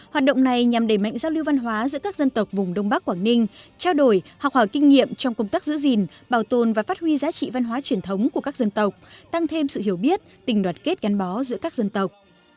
hoạt động này nhằm đẩy mạnh giao lưu văn hóa giữa các dân tộc vùng đông bắc quảng ninh trao đổi học hỏi kinh nghiệm trong công tác giữ gìn bảo tồn và phát huy giá trị văn hóa truyền thống của các dân tộc tăng thêm sự hiểu biết tình đoàn kết gắn bó giữa các dân tộc